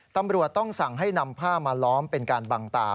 ตำรวจต้องสั่งให้นำผ้ามาล้อมเป็นการบังตา